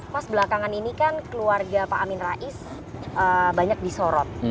mas belakangan ini kan keluarga pak amin rais banyak disorot